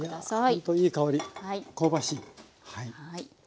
ほんといい香り香ばしい。